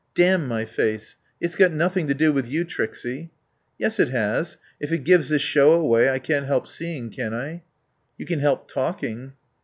"Damn my face. It's got nothing to do with you, Trixie." "Yes it has. If it gives the show away I can't help seeing, can I?" "You can help talking."